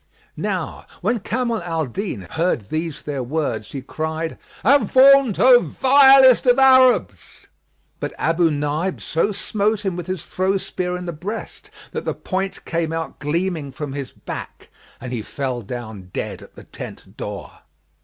Now when Kamal al Din heard these their words he cried, "Avaunt, O vilest of Arabs!" But Abu Naib so smote him with his throw spear in the breast, that the point came out gleaming from his back, and he fell down dead at the tent door.